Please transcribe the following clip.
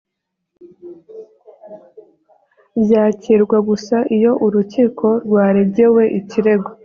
byakirwa gusa iyo urukiko rwaregewe ikirego